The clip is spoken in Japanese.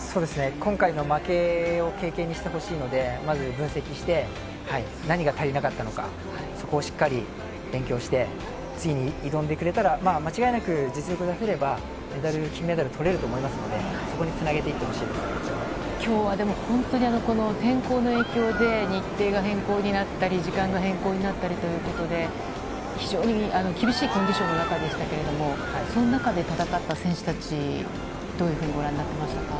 今回の負けを経験にしてほしいので、まず分析して、何が足りなかったのか、そこをしっかり勉強して、次に挑んでくれたら、間違いなく実力を出せれば、メダル、金メダルとれると思いますので、きょうはでも本当に天候の影響で、日程が変更になったり、時間が変更になったりということで、非常に厳しいコンディションの中でしたけれども、その中で戦った選手たち、どういうふうにご覧になってましたか？